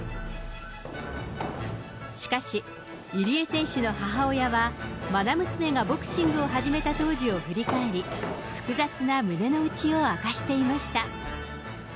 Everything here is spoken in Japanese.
しかし、入江選手の母親は、まな娘がボクシングを始めた当時を振り返り、複雑な胸の内を明かしていました。